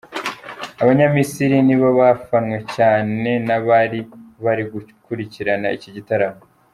Abanyamisiri nibo bafanwe cyane n’abari bari gukurikirana iki gitaramo.